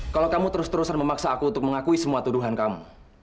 kalau kamu terus terusan memaksa aku untuk mengakui semua tuduhan kamu